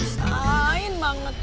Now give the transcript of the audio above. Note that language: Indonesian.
sain banget ah